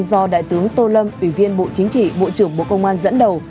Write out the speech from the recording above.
do đại tướng tô lâm ủy viên bộ chính trị bộ trưởng bộ công an dẫn đầu